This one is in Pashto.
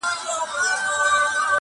o که پلار دي جت وو، ته جتگی يې٫